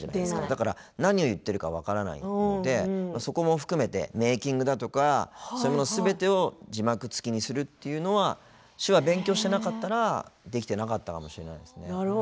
だから何を言ってるか分からないのでそこも含めて、メイキングだとかそういうものすべてを字幕つきにするっていうのは手話勉強してなかったらできてなかったかもしれないですね。